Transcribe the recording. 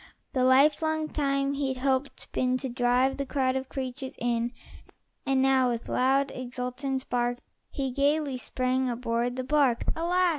The lifelong time he'd helping been To drive the crowd of creatures in; And now, with loud, exultant bark, He gayly sprang aboard the bark. Alas!